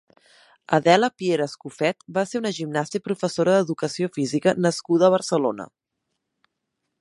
Adela Piera Escofet va ser una gimnasta i professora d'educació física nascuda a Barcelona.